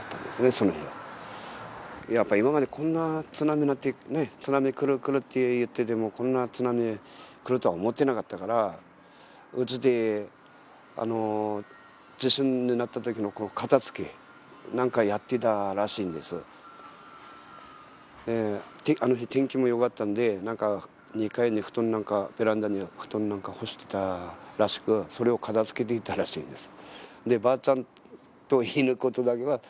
その日はやっぱり今までこんな津波なんてね津波来る来るって言っててもこんな津波来るとは思ってなかったから家であの地震になった時の片付けなんかやってたらしいんですあの日天気もよかったんで２階に布団なんかベランダに布団なんか干してたらしくそれを片付けていたらしいんです